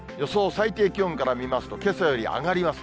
最低気温から見ますと、けさより上がります。